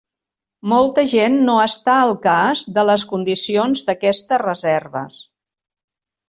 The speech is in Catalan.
Molta gent no està al cas de les condicions d'aquestes reserves.